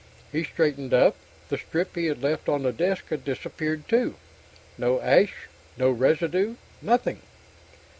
He straightened up. The strip he had left on the desk had disappeared, too. No ash, no residue. Nothing.